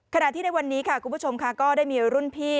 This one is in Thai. ขณะที่ในวันนี้ค่ะคุณผู้ชมค่ะก็ได้มีรุ่นพี่